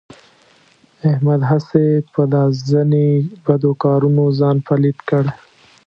احمد هسې په دا ځنې بدو کارونو ځان پلیت کړ.